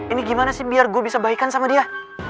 ini gimana sih biar gue bisa baikan sama dia